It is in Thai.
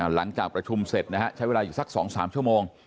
หลังจากประชุมเสร็จนะฮะใช้เวลาอยู่สัก๒๓ชั่วโมง